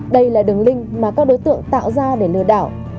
đây là đường link mà các đối tượng tạo ra để lừa đảo